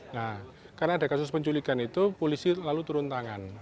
nah karena ada kasus penculikan itu polisi lalu turun tangan